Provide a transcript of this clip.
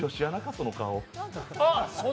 その顔？